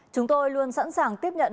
chúng tôi luôn sẵn sàng tiếp nhận